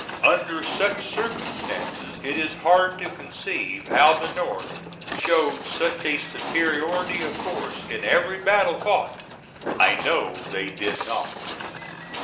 Under such circumstances it is hard to conceive how the North showed such a superiority of force in every battle fought. I know they did not.